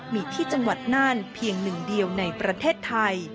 มีที่จังหวัดน่านเพียงหนึ่งเดียวในประเทศไทย